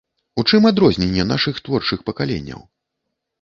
У чым адрозненні нашых творчых пакаленняў?